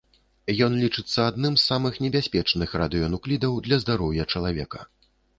Ён лічыцца адным з самых небяспечных радыенуклідаў для здароўя чалавека.